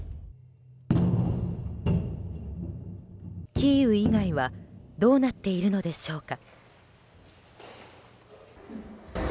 キーウ以外はどうなっているのでしょうか。